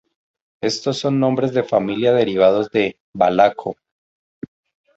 Estos son nombres de familia derivados de "valaco".